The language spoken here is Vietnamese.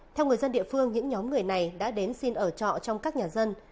theo người dân địa phương những nhóm người này đã đến xin ở trọ trong các nhà dân